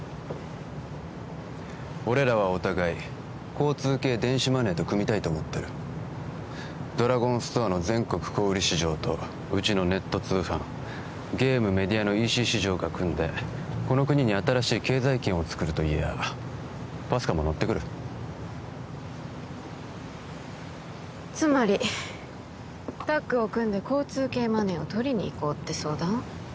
俺らはお互い交通系電子マネーと組みたいと思ってるドラゴンストアの全国小売市場とうちのネット通販ゲームメディアのＥＣ市場が組んでこの国に新しい経済圏をつくると言やＰＡＳＣＡも乗ってくるつまりタッグを組んで交通系マネーを取りにいこうって相談？